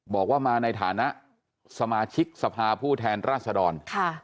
บอกว่ามาในฐานะสมาชิกสภาผู้แทนราษดร